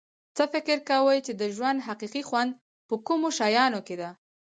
څه فکر کوی چې د ژوند حقیقي خوند په کومو شیانو کې ده